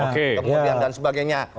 kemudian dan sebagainya